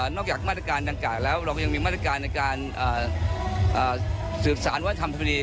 จากมาตรการดังกล่าวแล้วเราก็ยังมีมาตรการในการสืบสารวัฒนธรรมดี